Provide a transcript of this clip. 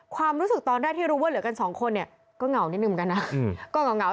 ความรู้สึกตอนแรกที่รู้ว่าเหลือกัน๒คนก็เหงานิดนึงกันนะ